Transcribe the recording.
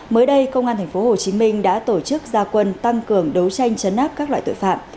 mới đây công an thành phố hồ chí minh đã tổ chức gia quân tăng cường đấu tranh chấn áp các loại tội phạm